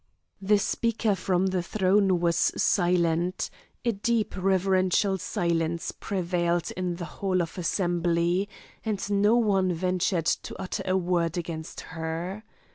The speaker from the throne was silent, a deep reverential silence prevailed in the hall of assembly, and no one ventured to utter a word against her.